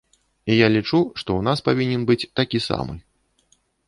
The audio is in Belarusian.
І я лічу, што ў нас павінен быць такі самы.